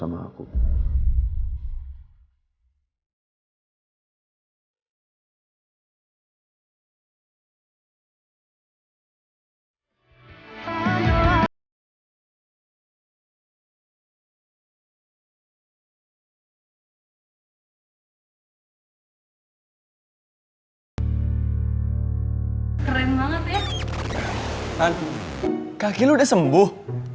emang kamu disembuh